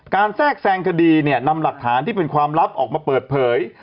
แทรกแซงคดีเนี่ยนำหลักฐานที่เป็นความลับออกมาเปิดเผย